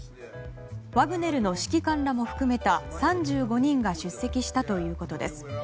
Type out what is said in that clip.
ワグネルの指揮官らも含めた３５人が出席したということです。